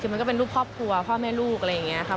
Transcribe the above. คือมันก็เป็นรูปครอบครัวพ่อแม่ลูกอะไรอย่างนี้ครับ